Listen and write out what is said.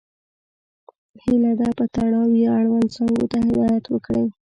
هیله ده په تړاو یې اړوند څانګو ته هدایت وکړئ.